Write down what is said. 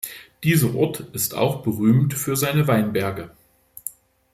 Dieser Ort ist auch berühmt für seine Weinberge.